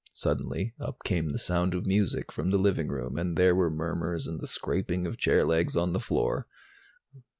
Suddenly, up came the sound of music from the living room and there were murmurs and the scraping of chair legs on the floor.